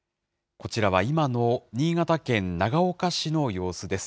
こちらは今の新潟県長岡市の様子です。